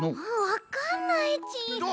わかんないち。